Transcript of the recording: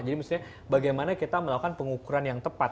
jadi bagaimana kita melakukan pengukuran yang tepat